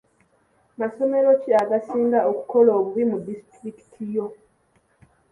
Masomero ki agasinga okukola obubi mu disitulikiti yo?